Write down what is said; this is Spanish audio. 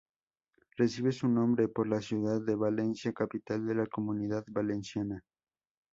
Recibe su nombre por la ciudad de Valencia, capital de la Comunidad Valenciana.